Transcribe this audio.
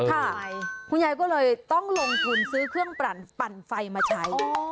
คุณยายก็เลยต้องลงทุนซื้อเครื่องปั่นปั่นไฟมาใช้